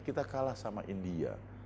kita kalah sama india